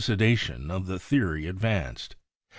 dation of the theory advanced.